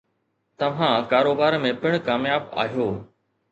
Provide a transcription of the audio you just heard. توهان ڪاروبار ۾ پڻ ڪامياب آهيو.